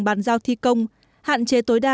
bàn giao thi công hạn chế tối đa